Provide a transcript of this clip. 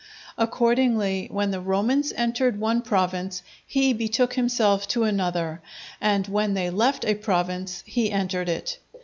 Accordingly, when the Romans entered one province, he betook himself to another, and when they left a province he entered it.